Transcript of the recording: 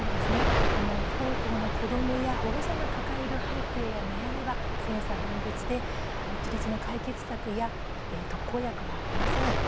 不登校の子どもたちや保護者が抱える背景や悩みは千差万別で、一律の解決策や特効薬はありません。